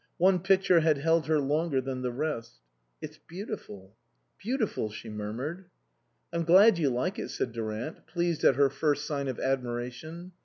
One picture had held her longer than the rest. " It's beautiful beautiful," she murmured. " I'm glad you like it," said Durant, pleased at her first sign of admiration.